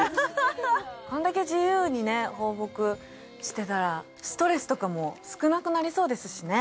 こんだけ自由に放牧してたらストレスとかも少なくなりそうですしね。